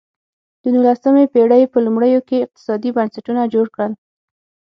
د نولسمې پېړۍ په لومړیو کې اقتصادي بنسټونه جوړ کړل.